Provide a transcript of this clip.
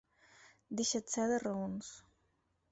Deixar-se de raons.